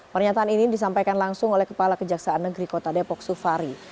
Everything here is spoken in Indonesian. pernyataan ini disampaikan langsung oleh kepala kejaksaan negeri kota depok sufari